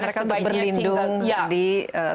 mereka berlindung di tengah tengah warga itu sendiri